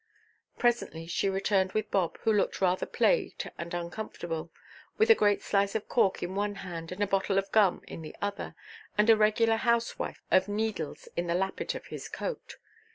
Presently she returned with Bob, who looked rather plagued and uncomfortable, with a great slice of cork in one hand and a bottle of gum in the other, and a regular housewife of needles in the lappet of his coat.